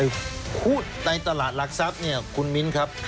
ไอ้หุ้นในตลาดหลักทรัพย์นี้คุณมิ้นครับ